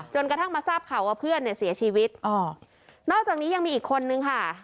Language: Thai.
กระทั่งมาทราบข่าวว่าเพื่อนเนี่ยเสียชีวิตอ๋อนอกจากนี้ยังมีอีกคนนึงค่ะ